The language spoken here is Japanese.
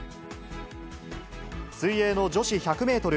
水泳の女子１００メートル